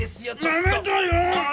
ダメだよ！